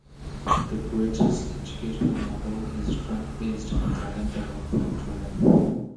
The Bridges educational model is strength-based and talent-development driven.